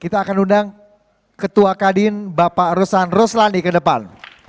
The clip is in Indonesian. kita akan undang ketua kadin bapak rosan ruslani ke depan